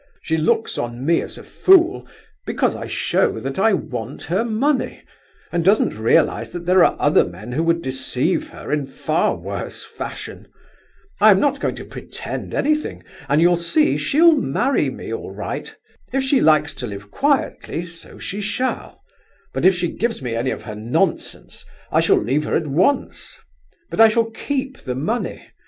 She looks on me as a fool because I show that I meant her money, and doesn't realize that there are other men who would deceive her in far worse fashion. I'm not going to pretend anything, and you'll see she'll marry me, all right. If she likes to live quietly, so she shall; but if she gives me any of her nonsense, I shall leave her at once, but I shall keep the money.